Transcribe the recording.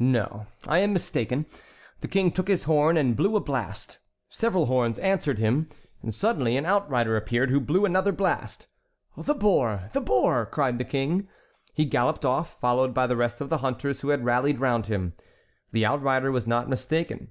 No, I am mistaken." The King took his horn and blew a blast; several horns answered him. Suddenly an outrider appeared who blew another blast. "The boar! the boar!" cried the King. He galloped off, followed by the rest of the hunters who had rallied round him. The outrider was not mistaken.